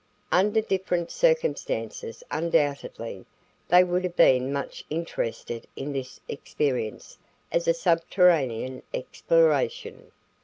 Under different circumstances undoubtedly they would have been much interested in this experience as a subterranean exploration.